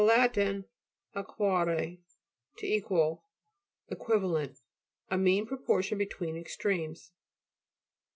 lat. sequare, to equal. Equivalent. A mean proportion between extremes.